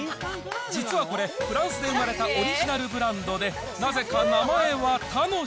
実はこれ、フランスで生まれたオリジナルブランドで、なぜか名前は楽。